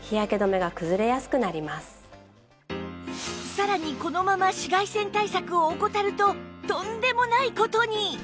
さらにこのまま紫外線対策を怠るととんでもない事に！